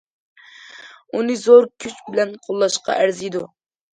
ئۇنى زور كۈچ بىلەن قوللاشقا ئەرزىيدۇ.